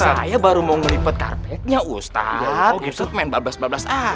saya baru mau ngelipet karpetnya ustadz ustadz main bablas bablas aja